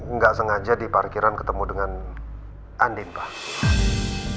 nggak sengaja di parkiran ketemu dengan andin pak